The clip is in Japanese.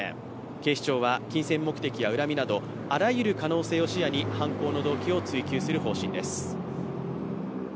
警視庁は、金銭目的や恨みなど、あらゆる可能性を視野に犯行の動機を追及する方針です。